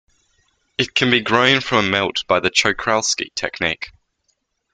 It can be grown from a melt by the Czochralski technique.